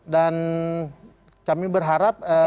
dan kami berharap